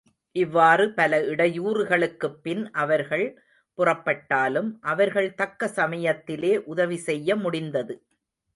இவ்வாறு பல இடையூறுகளுக்குப் பின் அவர்கள் புறப்பட்டாலும் அவர்கள் தக்க சமயத்திலே உதவி செய்ய முடிந்தது.